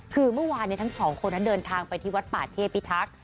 คือเมื่อวานทั้งสองคนนั้นเดินทางไปที่วัดป่าเทพิทักษ์